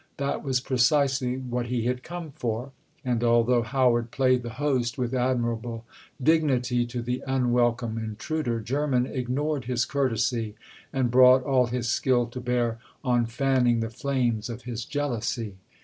That was precisely what he had come for; and although Howard played the host with admirable dignity to the unwelcome intruder, Jermyn ignored his courtesy and brought all his skill to bear on fanning the flames of his jealousy.